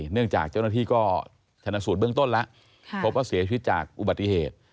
จากเจ้าหน้าที่ก็ชนะสูตรเบื้องต้นแล้วพบว่าเสียชีวิตจากอุบัติเหตุ